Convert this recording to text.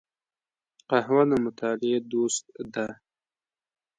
قهوه د مطالعې دوست ده